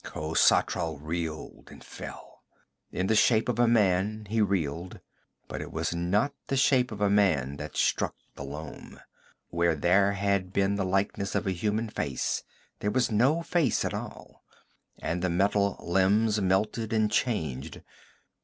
Khosatral reeled and fell. In the shape of a man he reeled, but it was not the shape of a man that struck the loam. Where there had been the likeness of a human face, there was no face at all, and the metal limbs melted and changed....